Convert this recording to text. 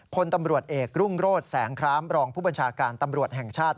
พลตำรวจเอกรุ่งโรศแสงครามรองผู้บัญชาการตำรวจแห่งชาติ